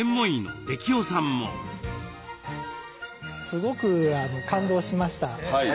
すごく感動しました。